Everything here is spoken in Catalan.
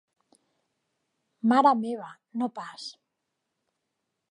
Mare meva, no pas.